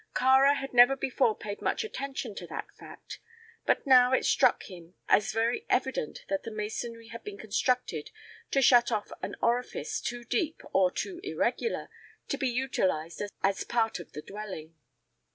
Kāra had never before paid much attention to that fact, but now it struck him as very evident that the masonry had been constructed to shut off an orifice too deep or too irregular to be utilized as part of the dwelling.